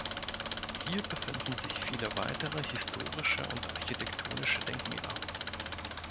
Hier befinden sich viele weitere historische und architektonische Denkmäler.